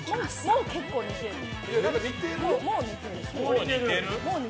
もう結構似てる。